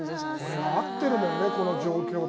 合ってるもんね、この状況と。